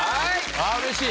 あぁうれしい。